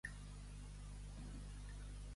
L'espanyol viu de panxa al sol.